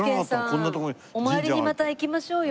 お参りにまた行きましょうよ。